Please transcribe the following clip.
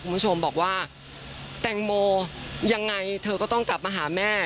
คุณผู้ชมบอกว่าแตงโมยังไงเธอก็ต้องกลับมาหาแม่